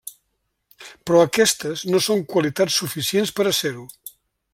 Però aquestes no són qualitats suficients per a ser-ho.